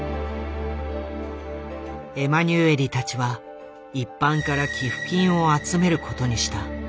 エマニュエリたちは一般から寄付金を集めることにした。